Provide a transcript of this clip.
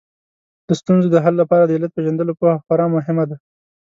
د ستونزو د حل لپاره د علت پېژندلو پوهه خورا مهمه ده